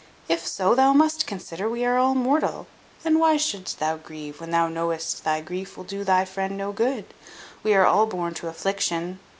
If so, thou must consider we are all mortal. And why shouldst thou grieve, when thou knowest thy grief will do thy friend no good? We are all born to affliction.